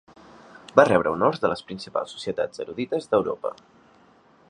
Va rebre honors de les principals societats erudites d'Europa.